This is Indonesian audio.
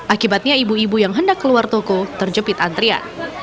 akibatnya ibu ibu yang hendak keluar toko terjepit antrian